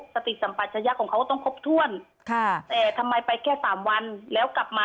สติสัมปัชยะของเขาต้องครบถ้วนแต่ทำไมไปแค่สามวันแล้วกลับมา